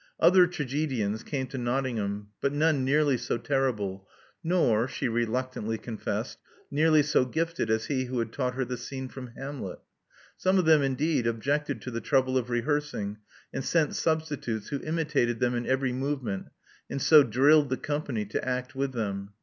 Other tragedians came to Nottingham, but none nearly so terrible, nor, she reluctantly confessed, nearly so gifted as he who had taught her the scene from Hanflet. Some of them, indeed, objected to the trouble of rehearsing, and sent substitutes who imitated them in every movement and so drilled the company to act with them.